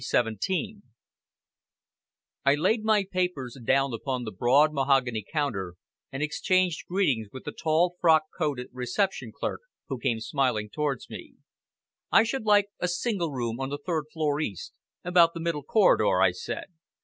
317 I laid my papers down upon the broad mahogany counter, and exchanged greetings with the tall frock coated reception clerk who came smiling towards me. "I should like a single room on the third floor east, about the middle corridor," I said.